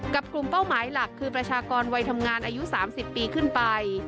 กลุ่มเป้าหมายหลักคือประชากรวัยทำงานอายุ๓๐ปีขึ้นไป